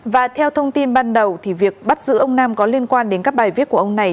và theo thông tin ban đầu thì việc bắt giữ ông nam có liên quan đến các bài viết của ông này